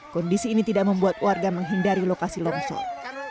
kondisi ini tidak membuat warga menghindari lokasi longsor